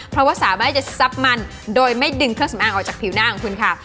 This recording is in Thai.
เพราะว่าสามารถจะซับมันโดยไม่ดึงเครื่องสำอางออกจากผิวหน้าของคุณค่ะ